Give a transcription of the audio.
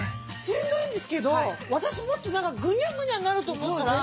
しんどいんですけど私もっと何かグニャグニャなると思ったら。